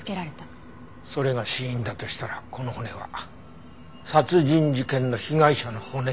それが死因だとしたらこの骨は殺人事件の被害者の骨。